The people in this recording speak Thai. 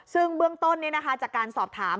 ซึ่งเบื้องต้นนี่นะคะจากการสอบถาม